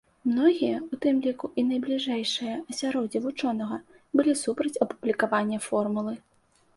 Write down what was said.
Многія, у тым ліку і найбліжэйшае асяроддзе вучонага, былі супраць апублікавання формулы.